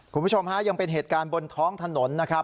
คุณผู้ชมฮะยังเป็นเหตุการณ์บนท้องถนนนะครับ